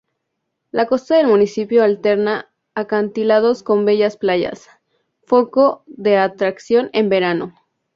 La costa del municipio alterna acantilados con bellas playas, foco de atracción en verano.